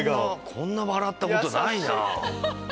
こんな笑ったことないなぁ。